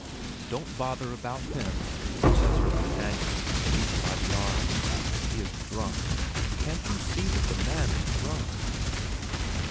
"Don't bother about him!" says her companion, taking her by the arm. "He is drunk; can't you see that the man is drunk?"